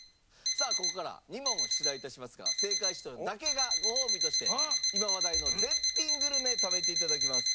さあここから２問出題致しますが正解した人だけがご褒美として今話題の絶品グルメ食べて頂きます。